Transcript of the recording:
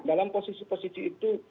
dalam posisi posisi itu